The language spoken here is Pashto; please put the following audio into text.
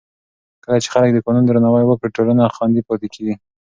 کله چې خلک د قانون درناوی وکړي، ټولنه خوندي پاتې کېږي.